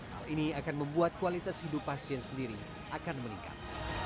hal ini akan membuat kualitas hidup pasien sendiri akan meningkat